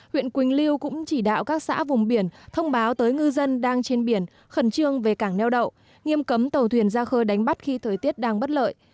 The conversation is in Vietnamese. huyện quỳnh lưu cũng chỉ đạo các xã vùng biển thông báo tới ngư dân đang trên biển khẩn trương về cảng neo đậu nghiêm cấm tàu thuyền ra khơi đánh bắt khi thời tiết đang bất lợi